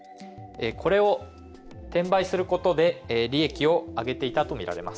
これを転売することで利益を上げていたとみられます。